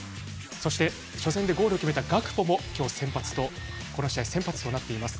そして初戦でゴールを決めたガクポも今日、先発とこの試合で先発となっています。